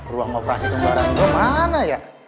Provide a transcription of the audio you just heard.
ruang operasi cembaran gue mana ya